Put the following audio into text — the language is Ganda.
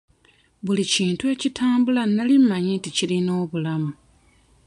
Buli kintu ekitambula nali mmanyi nti kirina obulamu.